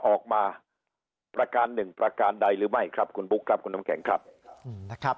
ออกมาประการหนึ่งประการใดหรือไม่ครับคุณบุ๊คครับน้ำ